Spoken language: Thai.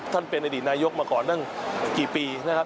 ท่านเป็นอดีตนายกมาก่อนตั้งกี่ปีนะครับ